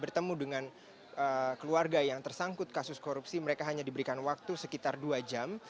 bertemu dengan keluarga yang tersangkut kasus korupsi mereka hanya diberikan waktu sekitar dua jam